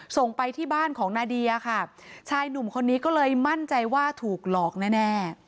ส่งไปที่บ้านของนาเดียค่ะชายหนุ่มคนนี้ก็เลยมั่นใจว่าถูกหลอกแน่